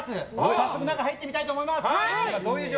早速中に入ってみたいと思います。